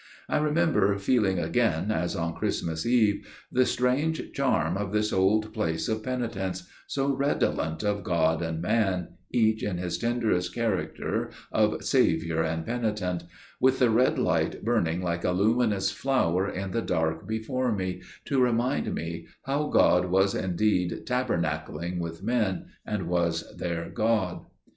I remember feeling again, as on Christmas Eve, the strange charm of this old place of penitence, so redolent of God and man, each in his tenderest character of Saviour and penitent; with the red light burning like a luminous flower in the dark before me, to remind me how God was indeed tabernacling with men, and was their God.